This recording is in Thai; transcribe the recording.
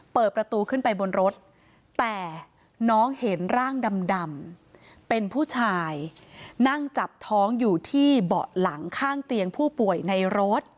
เปิดประตูขึ้นไปบนรถแต่น้องเห็นร่างดำเป็นผู้ชายนั่งจับท้องอยู่ที่เบาะหลังข้างเตียงผู้ป่วยในรถ